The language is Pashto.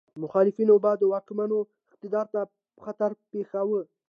مخالفینو به د واکمنو اقتدار ته خطر پېښاوه.